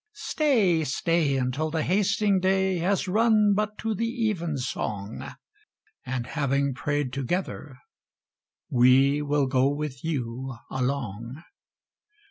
Stay, stay Until the hasting day Has run But to the evensong; And, having pray'd together, we Will go with you along.